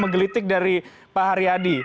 politik dari pak haryadi